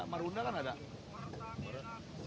merunda kan ada